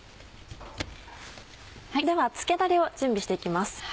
では漬けだれを準備していきます。